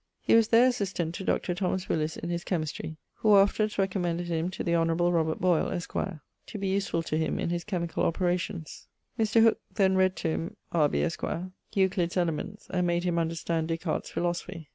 He was there assistant to Dr. Thomas Willis in his chymistry; who afterwards recommended him to the honᵇˡᵉ Robert Boyle, esqre, to be usefull to him in his chymicall operations. Mr. Hooke then read to him (R. B., esqre) Euclid's Elements, and made him understand Des Cartes' Philosophy.